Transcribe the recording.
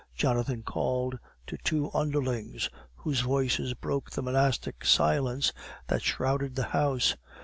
Jonathan called to two underlings, whose voices broke the monastic silence that shrouded the house.